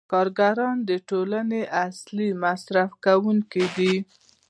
کارګران د ټولنې اصلي مصرف کوونکي دي